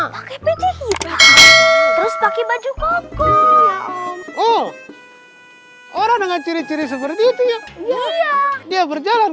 pakai pijak terus pakai baju kokoh oh orang dengan ciri ciri seperti itu ya dia berjalan